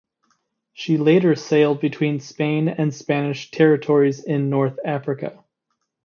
She later sailed between Spain and Spanish territories in North Africa.